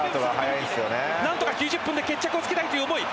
何とか９０分で決着をつけたいという思い。